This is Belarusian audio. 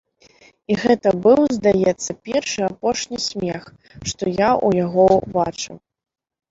І гэта быў, здаецца, першы і апошні смех, што я ў яго бачыў.